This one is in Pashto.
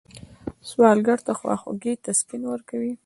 سوالګر ته خواخوږي تسکین ورکوي